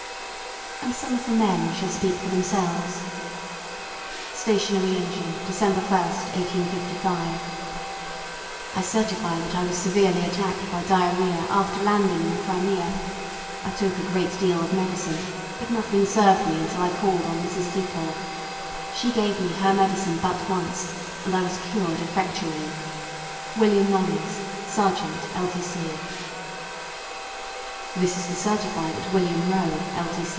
And some of the men shall speak for themselves: "Stationary Engine, December 1, 1855. "I certify that I was severely attacked by diarrhoea after landing in the Crimea. I took a great deal of medicine, but nothing served me until I called on Mrs. Seacole. She gave me her medicine but once, and I was cured effectually. "Wm. Knollys, Sergt., L.T.C." "This is to certify that Wm. Row, L.